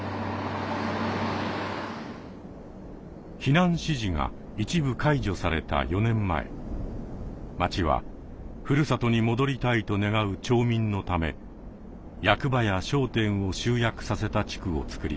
避難指示が一部解除された４年前町は故郷に戻りたいと願う町民のため役場や商店を集約させた地区をつくりました。